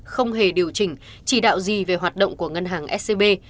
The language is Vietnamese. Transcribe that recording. không hề điều chỉnh chỉ đạo gì về hoạt động của ngân hàng scb